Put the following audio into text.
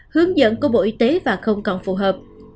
hướng dẫn của bộ y tế và không còn phù hợp